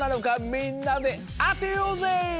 みんなであてようぜ！